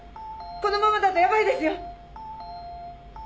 このままだとヤバいですよ！